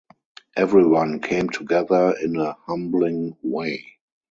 Everyone came together in a humbling way.